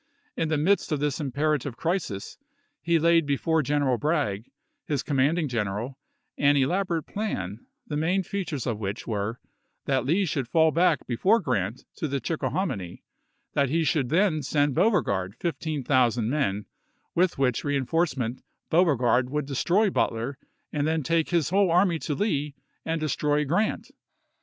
In the midst of this imperative crisis he laid before General Bragg, his commanding gen eral, an elaborate plan, the main features of which were, that Lee should fall back before Grant to the Chickahominy ; that he should then send Beaure gard fifteen thousand men, with which reenforce ment Beauregard would destroy Butler and then take his whole ai my to Lee and destroy Grant.